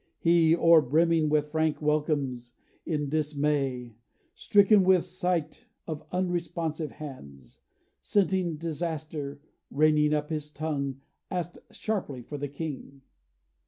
He, O'erbrimming with frank welcomes, in dismay, Stricken with sight of unresponsive hands, Scenting disaster, reining up his tongue, Asked sharply for the king.